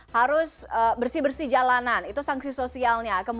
harus bersih bersih jalanan itu sanksi sosialnya